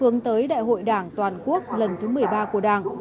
hướng tới đại hội đảng toàn quốc lần thứ một mươi ba của đảng